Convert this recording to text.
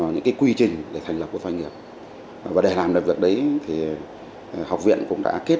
những cái quy trình để thành lập một doanh nghiệp và để làm được việc đấy thì học viện cũng đã kết